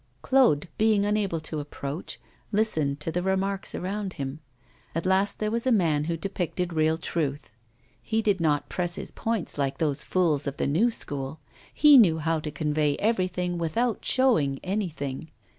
Claude, being unable to approach, listened to the remarks around him. At last there was a man who depicted real truth! He did not press his points like those fools of the new school; he knew how to convey everything without showing anything.